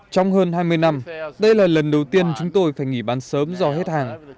trong hơn hai mươi năm đây là lần đầu tiên chúng tôi phải nghỉ bán sớm do hết hàng